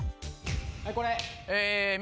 はいこれ、右。